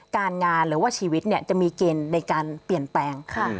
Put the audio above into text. การงานหรือว่าชีวิตจะมีเกณฑ์ในการเปลี่ยนแปลง